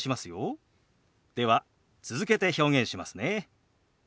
では続けて表現しますね。